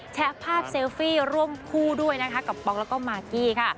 แชะภาพเซลฟี่ร่วมคู่ด้วยนะคะกับป๊อกแล้วก็มากกี้ค่ะ